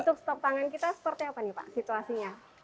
untuk stok pangan kita seperti apa nih pak situasinya